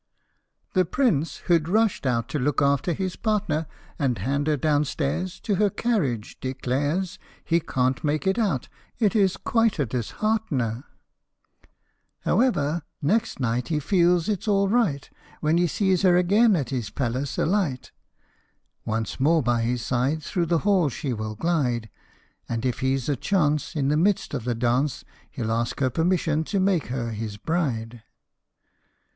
The Prince, who 'd rushed out to look after his partner And hand her downstairs To her carriage, declares He can't make it out " It is quite a disheart'ner !" However, next night he feels it's all right When he sees her again at his palace alight. Once more by his side through the hall she will glide And if he 's a chance, In the midst of the dance He '11 ask her permission to make her his bride.